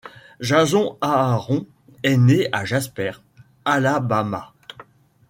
Jason Aaron est né à Jasper, Alabama.